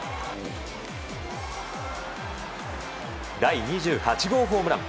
第２８号ホームラン。